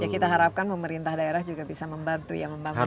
kita harapkan pemerintah daerah juga bisa membantu ya membangun